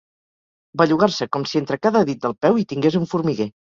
Bellugar-se com si entre cada dit del peu hi tingués un formiguer.